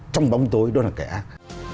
trong bóng tối đó là cái ác